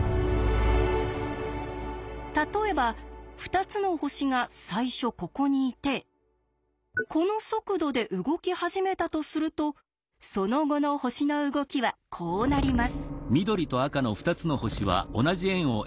例えば２つの星が最初ここにいてこの速度で動き始めたとするとその後の星の動きはこうなります。